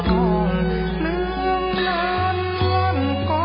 ทรงเป็นน้ำของเรา